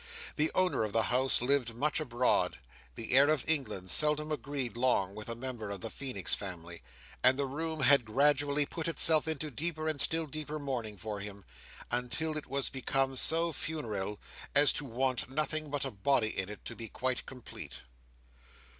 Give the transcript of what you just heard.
The owner of the house lived much abroad; the air of England seldom agreed long with a member of the Feenix family; and the room had gradually put itself into deeper and still deeper mourning for him, until it was become so funereal as to want nothing but a body in it to be quite complete.